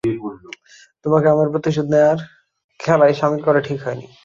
তোকে আমার প্রতিশোধ নেওয়ার খেলায় শামিল করা ঠিক হয়নি।